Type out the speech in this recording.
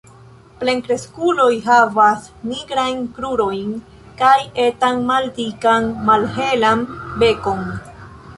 Plenkreskuloj havas nigrajn krurojn kaj etan maldikan malhelan bekon.